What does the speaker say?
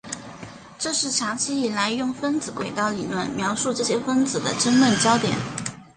这是长期以来用分子轨道理论描述这些分子的争论焦点。